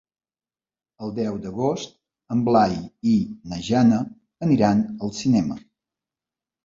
El deu d'agost en Blai i na Jana aniran al cinema.